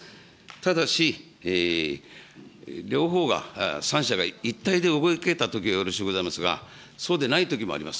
ただし、両方が、３者が一体で動けたときはよろしゅうございますが、そうでないときもあります。